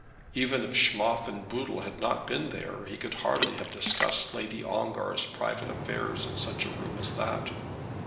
Even if Schmoff and Boodle had not been there, he could hardly have discussed Lady Ongar's private affairs in such a room as that.